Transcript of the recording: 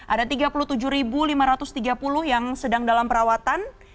ada tiga puluh tujuh lima ratus tiga puluh yang sedang dalam perawatan